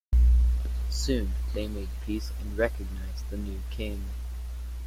Soon they made peace and recognised the new king.